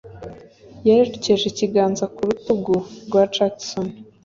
Yerekeje ikiganza ku rutugu rwa Jackson.